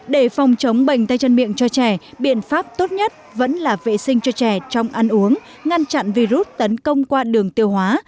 để phòng chống bệnh tay chân miệng cho trẻ biện pháp tốt nhất vẫn là vệ sinh cho trẻ trong ăn uống ngăn chặn virus tấn công qua đường tiêu hóa